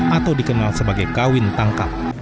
atau dikenal sebagai kawin tangkap